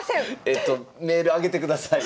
えとメールあげてください。